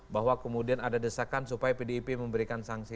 bahwa kemudian ada desakan supaya pdip memberikan sanksi